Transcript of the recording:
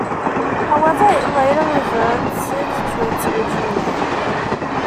However, it later reverted to its original name.